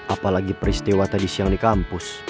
apalagi peristiwa tadi siang di kampus